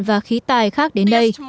và khí tài khác đến đây